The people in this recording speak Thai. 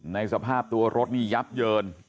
สภาพตัวรถนี่ยับเยิน